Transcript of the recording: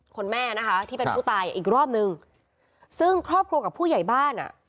แม่นะคะที่เป็นผู้ตายอีกรอบนึงซึ่งครอบครัวกับผู้ใหญ่บ้านอ่ะ